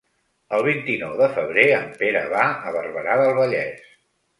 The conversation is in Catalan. El vint-i-nou de febrer en Pere va a Barberà del Vallès.